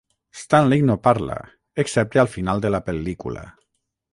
Stanley no parla, excepte al final de la pel·lícula.